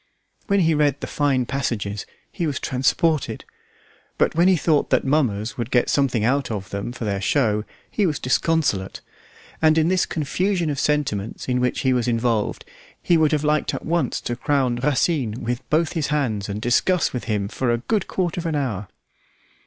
When he read the fine passages he was transported, but when he thought that mummers would get something out of them for their show, he was disconsolate; and in this confusion of sentiments in which he was involved he would have liked at once to crown Racine with both his hands and discuss with him for a good quarter of an hour.